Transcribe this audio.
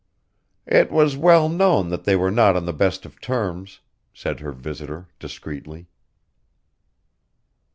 "It was well known that they were not on the best of terms," said her visitor discreetly.